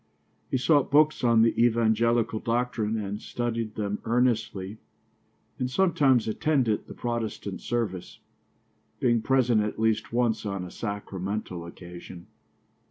He sought books on the evangelical doctrine and studied them earnestly, and sometimes attended the Protestant service, being present at least once on a sacramental occasion.